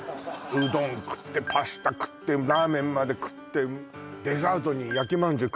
うどん食ってパスタ食ってラーメンまで食ってデザートに焼きまん